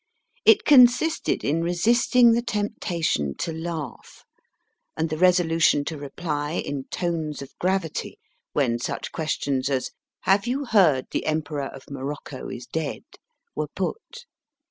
It consisted in resisting the temptation to laugh, and the resolu tion to reply in tones of gravity when such questions as Have you heard the Emperor of Morocco is dead ? were put.